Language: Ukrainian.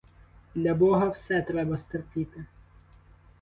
Для бога все треба стерпіти.